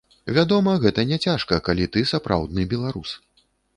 Вядома, гэта няцяжка, калі ты сапраўдны беларус.